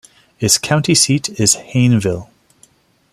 Its county seat is Hayneville.